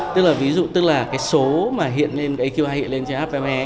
tức là ví dụ tức là cái số mà hiện lên aqi hiện lên trên app me